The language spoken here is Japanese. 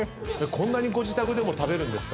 こんなにご自宅でも食べるんですか？